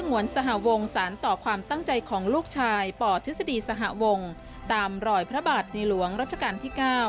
งวนสหวงสารต่อความตั้งใจของลูกชายป่อทฤษฎีสหวงตามรอยพระบาทในหลวงรัชกาลที่๙